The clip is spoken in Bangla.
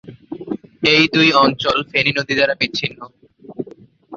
এই দুই অঞ্চল ফেনী নদী দ্বারা বিচ্ছিন্ন।